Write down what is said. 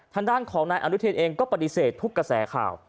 ทางด้านของนายอนุเทนเองก็ปฏิเสธทุกกระแสข่าว